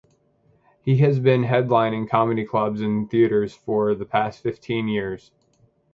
He has been headlining comedy clubs and theaters for the past fifteen years.